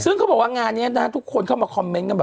ซึ่งเขาบอกว่างานนี้นะทุกคนเข้ามาคอมเมนต์กันแบบ